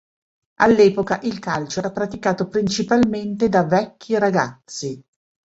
All'epoca il calcio era praticato principalmente da vecchi ragazzi.